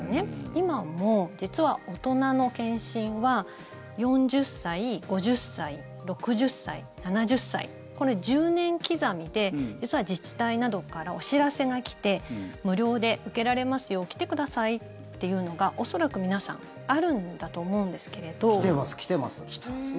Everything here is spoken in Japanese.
今も実は大人の検診は４０歳、５０歳、６０歳、７０歳この１０年刻みで実は自治体などからお知らせが来て無料で受けられますよ来てくださいというのが恐らく皆さんあるんだと思うんですけれど。来てます、来てます。